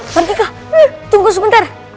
marjika tunggu sebentar